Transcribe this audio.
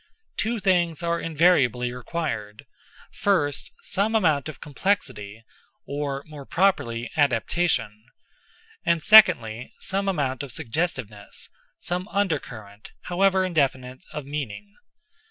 Two things are invariably required—first, some amount of complexity, or more properly, adaptation; and, secondly, some amount of suggestiveness—some undercurrent, however indefinite, of meaning.